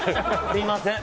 すんません。